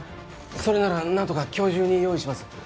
それならなんとか今日中に用意します。